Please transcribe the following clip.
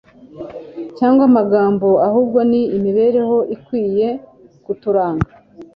cyangwa amagambo ahubwo ni imibereho ikwiriye kuturanga